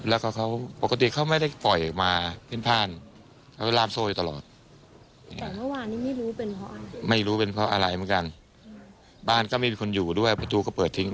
เรียกเรียกเรียก